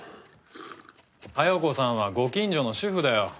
佳代子さんはご近所の主婦だよ。